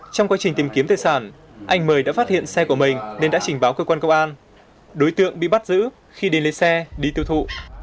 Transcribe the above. trong quá trình tìm kiếm tài sản anh mười đã phát hiện xe của mình nên đã trình báo cơ quan công an đối tượng bị bắt giữ khi đến lấy xe đi tiêu thụ